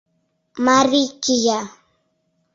Мари кия